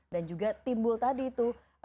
dan juga timbul tadi itu